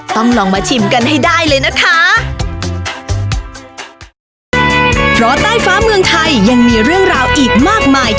ต้องลองมาชิมกันให้ได้เลยนะคะ